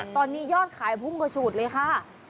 ตอนนี้ยอดขายพุ่งกระฉูดเลยค่ะ